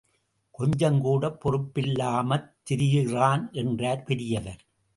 கொஞ்சம் கூடப் பொறுப்பில்லாமத் திரியறான்! என்றார் பெரியவர்.